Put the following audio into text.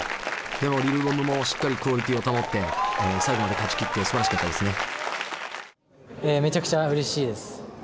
でもＬＩＬ’ＢＯＭもしっかりクオリティーを保って最後まで勝ちきってすばらしかったですね。